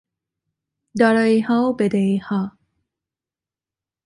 داراییها و بدهیها